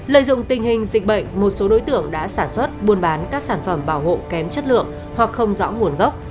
lợi dụng tình hình dịch bệnh một số đối tượng đã sản xuất buôn bán các sản phẩm bảo hộ kém chất lượng hoặc không rõ nguồn gốc